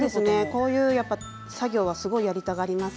こういう作業は、やりたがります。